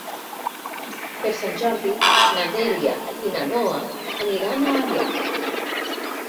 Per Sant Jordi na Dèlia i na Noa aniran a Avià.